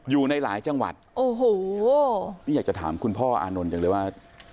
อยู่ในหลายจังหวัดโอ้โหนี่อยากจะถามคุณพ่ออานนท์จังเลยว่า